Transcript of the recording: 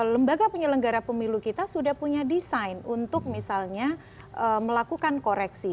lembaga penyelenggara pemilu kita sudah punya desain untuk misalnya melakukan koreksi